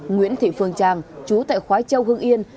nguyễn thị phương trang chú tại khói châu hương yên